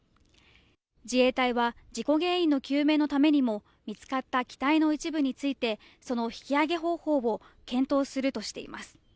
自衛隊は事故原因の究明のためにも、見つかった機体の一部について、その引き揚げ方法を検討するとしています。